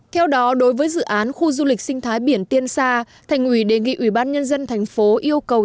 theo đó đối với dự án khu du lịch sinh thái biển tiên sa thành ủy đề nghị ubnd tp yêu cầu